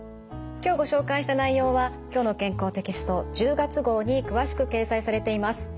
今日ご紹介した内容は「きょうの健康」テキスト１０月号に詳しく掲載されています。